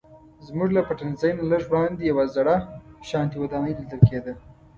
زموږ له پټنځي نه لږ وړاندې یوه زړه شانتې ودانۍ لیدل کیده.